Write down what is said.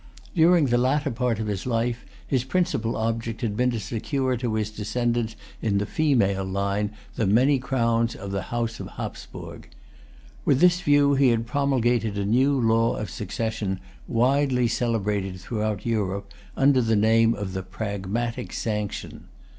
During the latter part of his life, his principal object had been to secure to his descendants in the female line the many crowns of the House of Hapsburg. With this view he had promulgated a new law of succession, widely celebrated throughout Europe under the name of the Pragmatic Sanction.